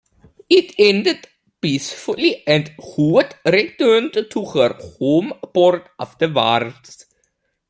It ended peacefully and "Hood" returned to her home port afterwards.